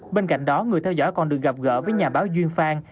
bên cạnh đó người theo dõi còn được gặp gỡ với nhà báo duyên fan